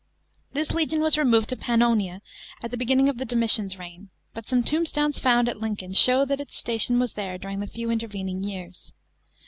This legion was removed to Pannonia at the beginning of Domitian's reign, but some tombstones found at Lincoln show that its station was there during the few intervening years.